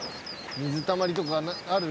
水たまりとかある？